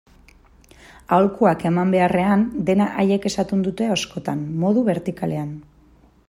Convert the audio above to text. Aholkuak eman beharrean, dena haiek esaten dute askotan, modu bertikalean.